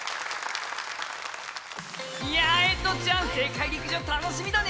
えとちゃん、世界陸上、楽しみだね。